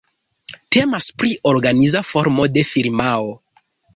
Temas pri organiza formo de firmao.